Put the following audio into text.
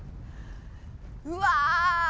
うわ